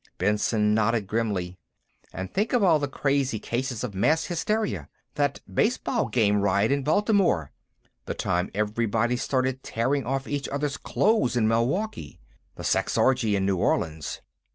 Benson nodded grimly. "And think of all the crazy cases of mass hysteria that baseball game riot in Baltimore; the time everybody started tearing off each others' clothes in Milwaukee; the sex orgy in New Orleans.